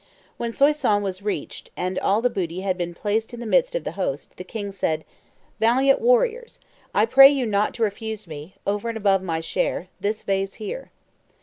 When Soissons was reached, and all the booty had been placed in the midst of the host, the king said, "Valiant warriors, I pray you not to refuse me, over and above my share, this vase here."